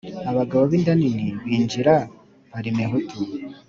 abagabo b’inda nini binjira parimehutu